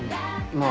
まあ。